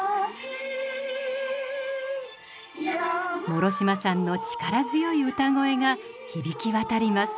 諸島さんの力強い歌声が響き渡ります。